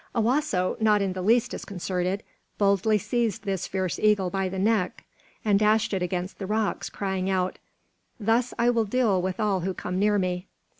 Owasso, not in the least disconcerted, boldly seized this fierce eagle by the neck and dashed it against the rocks, crying out: "Thus will I deal with all who come near me."